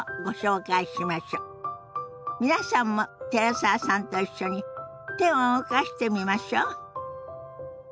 皆さんも寺澤さんと一緒に手を動かしてみましょ。